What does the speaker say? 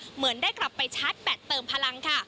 เหมือนได้กลับไปชาร์จแบตเติมพลังค่ะ